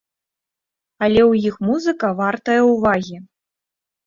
Але ў іх музыка вартая ўвагі.